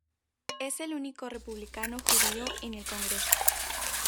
Es el único republicano judío en el Congreso.